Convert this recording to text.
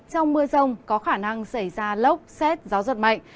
trong mưa rông có khả năng xảy ra lốc xét gió giật mạnh